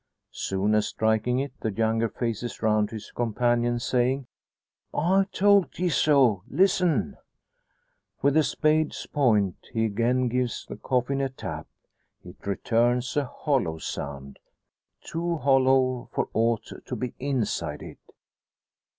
Soon as striking it, the younger faces round to his companion, saying "I tolt ye so listen!" With the spade's point he again gives the coffin a tap. It returns a hollow sound too hollow for aught to be inside it!